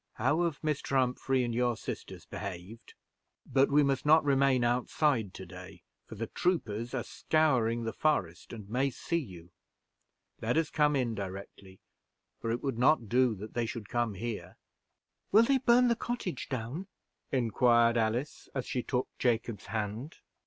How have Mr. Humphrey and your sisters behaved? But we must not remain outside to day, for the troopers are scouring the forest, and may see you. Let us come in directly, for it would not do that they should come here." "Will they burn the cottage down?" inquired Alice, as she took Jacob's hand.